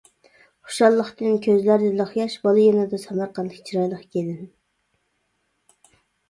خۇشاللىقتىن كۆزلەردە لىق ياش، بالا يېنىدا سەمەرقەنتلىك چىرايلىق كېلىن.